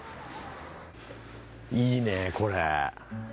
いいねこれ。